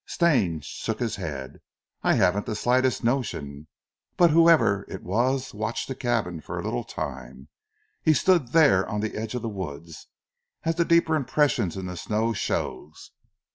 Stane shook his head. "I haven't the slightest notion, but whoever it was watched the cabin for a little time. He stood there on the edge of the wood, as the deeper impression in the snow shows."